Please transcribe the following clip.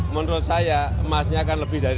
menurut saya emasnya akan lebih dari enam belas